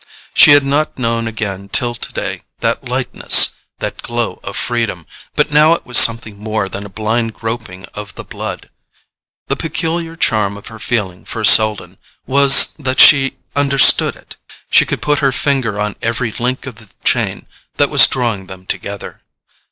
She had not known again till today that lightness, that glow of freedom; but now it was something more than a blind groping of the blood. The peculiar charm of her feeling for Selden was that she understood it; she could put her finger on every link of the chain that was drawing them together.